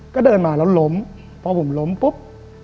ก็เดินมาแล้วล้มพอผมล้มปุ๊บ